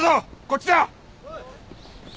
こっちだ！